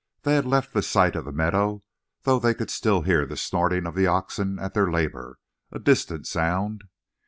They had left the sight of the meadow, though they could still hear the snorting of the oxen at their labor, a distant sound.